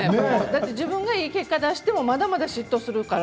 自分がいい結果を出してもまだまだ嫉妬するから。